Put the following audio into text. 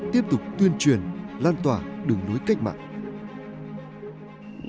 tiếp tục tuyên truyền lan tỏa đường lối cách mạng